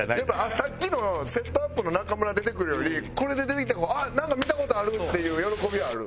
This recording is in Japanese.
さっきのセットアップの中村出てくるよりこれで出てきた方が「なんか見た事ある」っていう喜びはある。